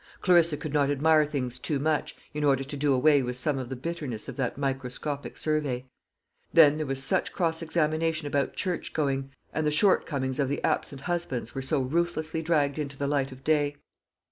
Clarissa could not admire things too much, in order to do away with some of the bitterness of that microscopic survey. Then there was such cross examination about church going, and the shortcomings of the absent husbands were so ruthlessly dragged into the light of day.